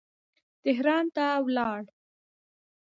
تهران ته ولاړ.